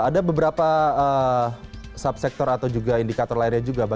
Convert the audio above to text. ada beberapa subsektor atau juga indikator lainnya juga